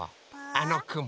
あのくも。